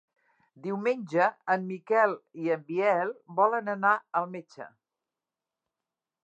Diumenge en Miquel i en Biel volen anar al metge.